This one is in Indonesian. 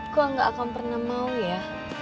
kok gak akan pernah mau ya